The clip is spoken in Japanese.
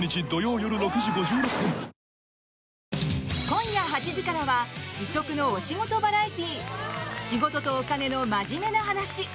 今夜８時からは異色のお仕事バラエティー「仕事とお金のマジメな話」。